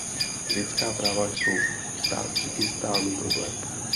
Lidská práva jsou v Tádžikistánu problém.